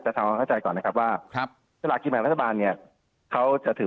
จะรับข้อใจก่อนนะครับว่าสลากกินแบ่งรัฐบาลเนี่ยเขาจะถือ